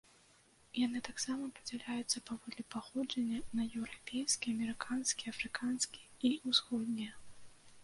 Яны таксама падзяляюцца паводле паходжання на еўрапейскія, амерыканскія, афрыканскія і ўсходнія.